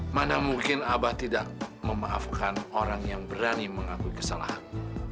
mana mungkin abah tidak memaafkan orang yang berani mengakui kesalahan